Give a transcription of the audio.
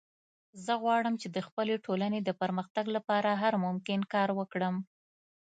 زه غواړم چې د خپلې ټولنې د پرمختګ لپاره هر ممکن کار وکړم